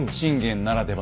ならでは？